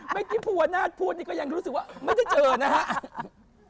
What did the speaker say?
ไม่ใช่ผัวหน้าผัวนี้ก็ยังรู้สึกว่าไม่ได้เจอนะฮะ